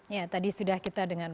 ya tadi sudah kita dengan